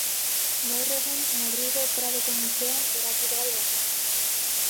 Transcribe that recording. Gaur egun, Madrilgo Pradoko Museoan erakusgai dago.